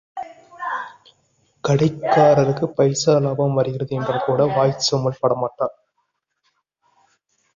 கடைக்காரருக்குப் பைசா லாபம் வருகிறது என்றால்கூட, வாய்ச்சோம்பல் படமாட்டார்.